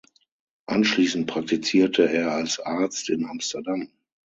Anschließend praktizierte er als Arzt in Amsterdam.